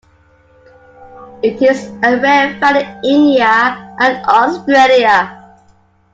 It is a rare find in India and Australia.